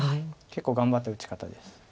結構頑張った打ち方です。